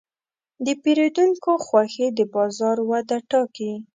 د پیرودونکو خوښي د بازار وده ټاکي.